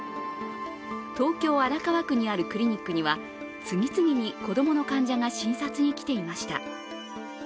東京・荒川区にあるクリニックには次々に子供の患者が診察に来ていました。